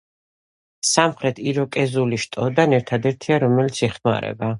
სამხრეთ იროკეზული შტოდან ერთადერთია, რომელიც იხმარება.